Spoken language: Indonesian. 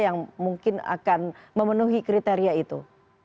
yang mungkin akan memenuhi kriteria itu